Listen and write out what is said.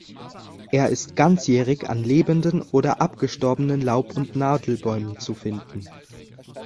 Er ist ganzjährig an lebenden oder abgestorbenen Laub- und Nadelbäumen zu finden.